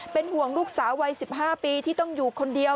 เป็นห่วงลูกสาววัย๑๕ปีที่ต้องอยู่คนเดียว